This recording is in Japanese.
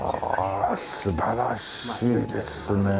ああ素晴らしいですね。